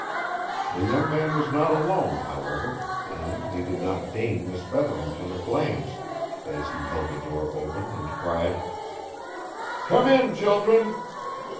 The young man was not alone, however, and he did not deign Miss Featherington a glance as he held the door open and cried: "Come in, children!"